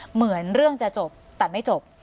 เหมือนเรื่องจะจบแต่ไม่จบ